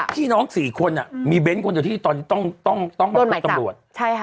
พี่น้อง๔คนมีเบ้นต์ควรจะต้องมาพบตำรวจ